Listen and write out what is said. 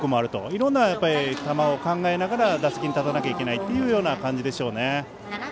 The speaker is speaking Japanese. いろんな球を考えながら打席に立たなければいけない感じでしょうね。